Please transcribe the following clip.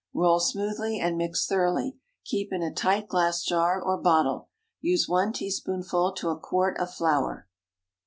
Roll smoothly and mix thoroughly. Keep in a tight glass jar or bottle. Use one teaspoonful to a quart of flour.